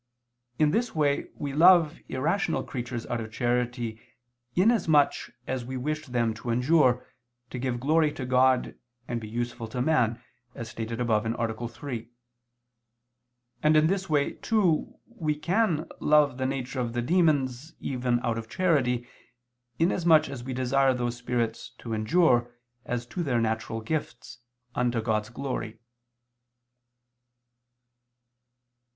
In this way we love irrational creatures out of charity, in as much as we wish them to endure, to give glory to God and be useful to man, as stated above (A. 3): and in this way too we can love the nature of the demons even out of charity, in as much as we desire those spirits to endure, as to their natural gifts, unto God's glory.